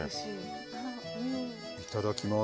いただきます。